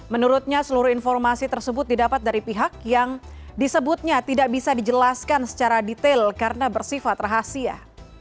menurutnya seluruh informasi tersebut didapat dari pihak yang disebutnya tidak bisa dijelaskan secara detail karena bersifat rahasia